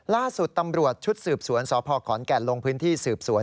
ล่าสุดตำรวจชุดสืบสวนสพขอนแก่นลงพื้นที่สืบสวน